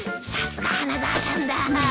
さすが花沢さんだ。